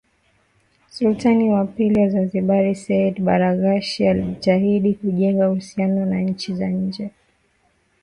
Sultani wa pili wa Zanzibar Sayyid Baraghash alijitahidi kujenga uhusiano na nchi za nje